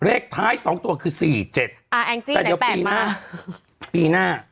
เลขท้าย๒ตัวคือ๔๗แต่เดี๋ยวปีหน้าปีหน้า